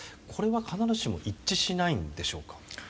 これは必ずしも一致しないんでしょうか？